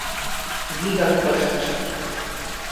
Вигак пыштышт.